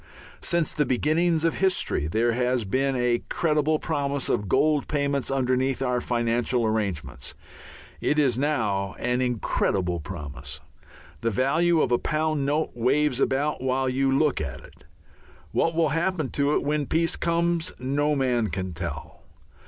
Since the beginnings of history there has been a credible promise of gold payments underneath our financial arrangements. It is now an incredible promise. The value of a pound note waves about while you look at it. What will happen to it when peace comes no man can tell.